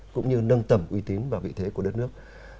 cũng như nâng tầm uy tín và vị thế của đất nước